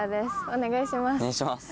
お願いします。